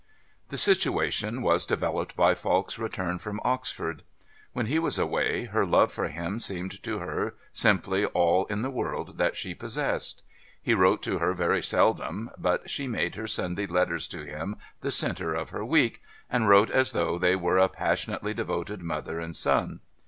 The situation was developed by Falk's return from Oxford. When he was away her love for him seemed to her simply all in the world that she possessed. He wrote to her very seldom, but she made her Sunday letters to him the centre of her week, and wrote as though they were a passionately devoted mother and son.